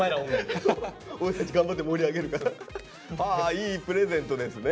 いいプレゼントですね。